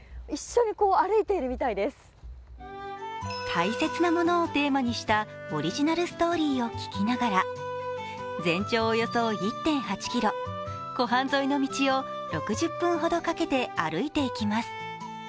「たいせつなもの」をテーマにしたオリジナルストーリーを聞きながら全長およそ１．８ｋｍ、湖畔沿いの道を６０分ほどかけて歩いていきます。